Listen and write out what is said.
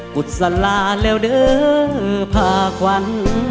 กุศลาเลี่ยวเด้อภาควัน